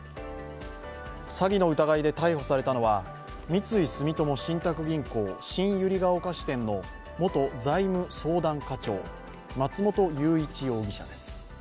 詐欺の疑いで逮捕されたのは、三井住友信託銀行新百合ヶ丘支店の元財務相談課長、松本裕一容疑者です。